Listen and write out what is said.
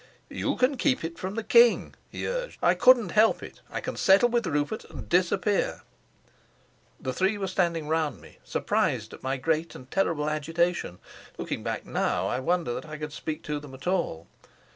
"You can keep it from the king," he urged. "I couldn't help it. I can settle with Rupert and disappear." The three were standing round me, surprised at my great and terrible agitation. Looking back now, I wonder that I could speak to them at all.